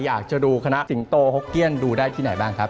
อยากจะดูคณะสิงโตฮกเกี้ยนดูได้ที่ไหนบ้างครับ